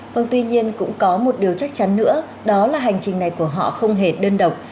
vâng tuy nhiên cũng có một điều chắc chắn nữa đó là hành trình này của họ không hề đơn độc